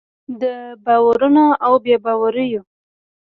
د باورونو او بې باوریو